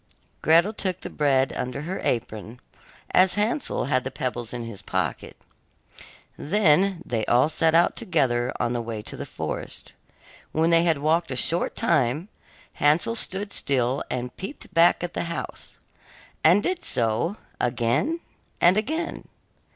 Gretel took the bread under her apron, as Hansel had the pebbles in his pocket. Then they all set out together on the way to the forest. When they had walked a short time, Hansel stood still and peeped back at the house, and did so again and again.